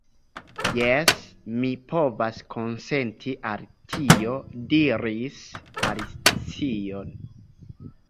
"Jes, mi povas konsenti al tio," diris Alicio.